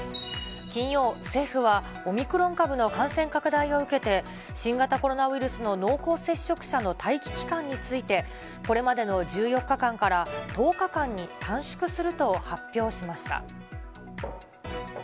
金曜、政府はオミクロン株の感染拡大を受けて、新型コロナウイルスの濃厚接触者の待機期間について、これまでの１４日間から１０日間に短縮すると発表しました。